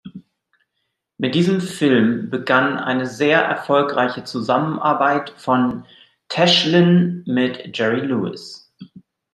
Mit diesem Film begann eine sehr erfolgreiche Zusammenarbeit von Tashlin mit Jerry Lewis.